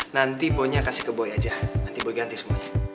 nanti maunya kasih ke boy aja nanti bawa ganti semuanya